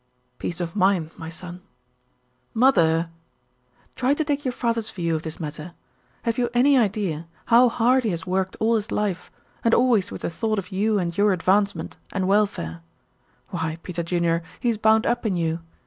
"Peace of mind, my son." "Mother " "Try to take your father's view of this matter. Have you any idea how hard he has worked all his life, and always with the thought of you and your advancement, and welfare? Why, Peter Junior, he is bound up in you.